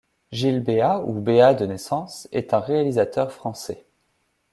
Gilles Béhat ou Béat de naissance, est un réalisateur français.